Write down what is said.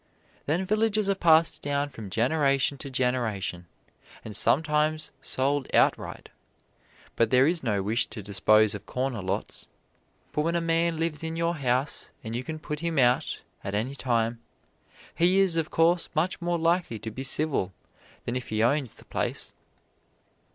Then villages are passed down from generation to generation, and sometimes sold outright, but there is no wish to dispose of corner lots. For when a man lives in your house and you can put him out at any time, he is, of course, much more likely to be civil than if he owns the place.